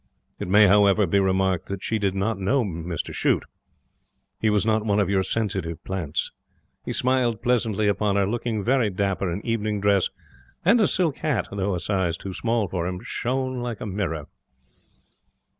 It may, however, be remarked that she did not know Mr Shute. He was not one of your sensitive plants. He smiled pleasantly upon her, looking very dapper in evening dress and a silk hat that, though a size too small for him, shone like a mirror.